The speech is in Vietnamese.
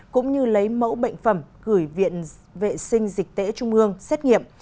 cũng như lấy mẫu bệnh phẩm gửi viện vệ sinh dịch tễ trung ương xét nghiệm